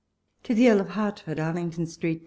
To THE Eahl of Hehtfoed. Arlington Street, Dec.